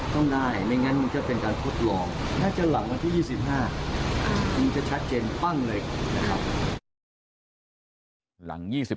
ต้องได้ไม่งั้นมันก็เป็นการทดลองถ้าจะหลังวันที่๒๕มันจะชัดเจนปั้งเลยนะครับ